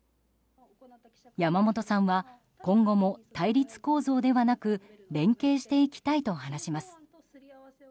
山本さんは今後も対立構造ではなく連携していきたいと話します。